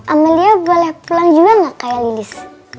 amalia boleh pulang juga gak kayak lilis